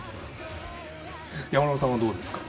山村さんはどうですか？